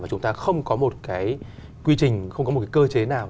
mà chúng ta không có một cái quy trình không có một cái cơ chế nào